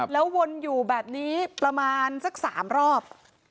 แล้ววนอยู่แบบนี้ประมาณสัก๓รอบ